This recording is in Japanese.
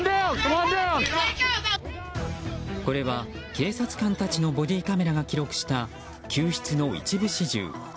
これは警察官たちのボディーカメラが記録した救出の一部始終。